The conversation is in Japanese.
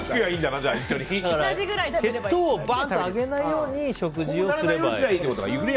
血糖をバンと上げないように食事をすればいい。